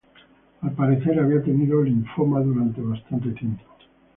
Al parecer, había tenido linfoma durante bastante tiempo.